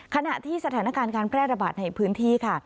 ขณะที่สถานการณ์การแพร่ระบาดในพื้นที่ค่ะ